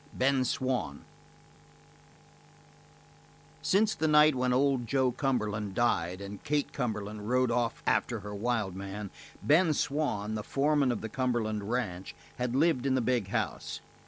Ben Swann Since the night when old Joe Cumberland died and Kate Cumberland rode off after her wild man, Ben Swann, the foreman of the Cumberland ranch, had lived in the big house.